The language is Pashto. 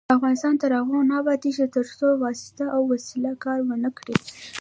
افغانستان تر هغو نه ابادیږي، ترڅو واسطه او وسیله کار ونه کړي.